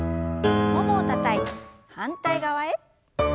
ももをたたいて反対側へ。